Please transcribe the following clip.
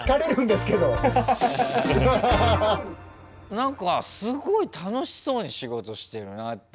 なんかすごい楽しそうに仕事してるなって。